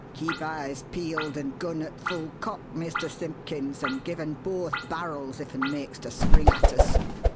Keep eyes peeled and gun at full cock, Mr. Simpkins, and give un both barrels if un makes to spring at us.